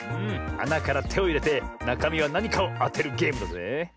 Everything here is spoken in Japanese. あなからてをいれてなかみはなにかをあてるゲームだぜえ。